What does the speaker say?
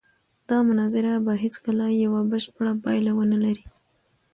دا مناظره به هېڅکله یوه بشپړه پایله ونه لري.